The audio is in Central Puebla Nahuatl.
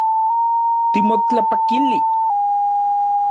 Timotlapakili